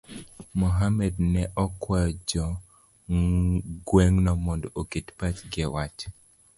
Mohamed ne okwayo jo gweng'no mondo oket pachgi e wach